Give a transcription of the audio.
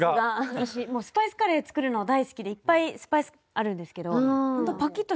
私もうスパイスカレー作るの大好きでいっぱいスパイスあるんですけどほんとパキッとした黄色ですよね。